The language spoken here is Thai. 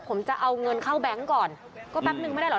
ผมจะเอาเงินเข้าแบงค์ก่อนก็แป๊บนึงไม่ได้เหรอ